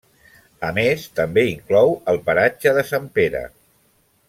A més també inclou el paratge de Sant Pere.